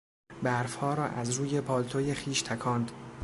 برفها را از روی پالتوی خویش تکاند.